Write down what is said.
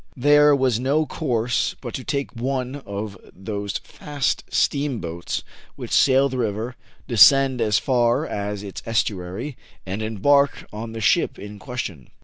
There was no course but to take one of those fast steamboats which sail the river, descend as far as its estuary, and embark on the ship in question.